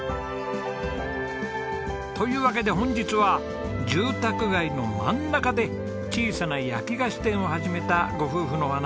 というわけで本日は住宅街の真ん中で小さな焼き菓子店を始めたご夫婦のお話です。